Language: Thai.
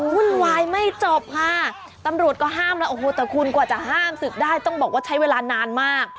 วุ่นวายไม่จบค่ะตำรวจก็ห้ามแล้วโอ้โหแต่คุณกว่าจะห้ามศึกได้ต้องบอกว่าใช้เวลานานมาก